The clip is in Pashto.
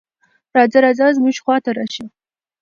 "راځه راځه زموږ خواته راشه".